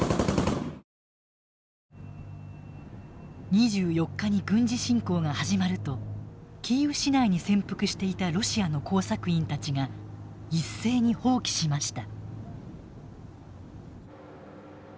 ２４日に軍事侵攻が始まるとキーウ市内に潜伏していたロシアの工作員たちが一斉に蜂起しました。